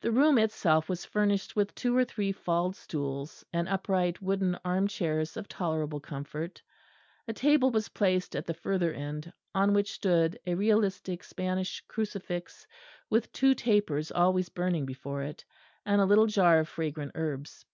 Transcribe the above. The room itself was furnished with two or three faldstools and upright wooden arm chairs of tolerable comfort; a table was placed at the further end, on which stood a realistic Spanish crucifix with two tapers always burning before it; and a little jar of fragrant herbs.